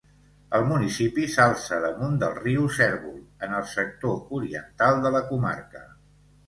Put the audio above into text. El municipi s'alça damunt del riu Cérvol en el sector oriental de la comarca.